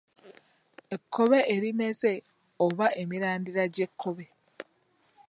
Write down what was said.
Ekkobe erimeze oba emirandira gy'ekkobe.